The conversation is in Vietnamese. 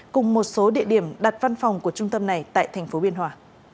cùng một số địa điểm đặt văn phòng của trung tâm này tại tp biên hòa